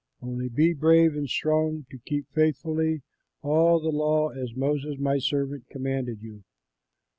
Only be brave and strong to keep faithfully all the law, as Moses my servant commanded you.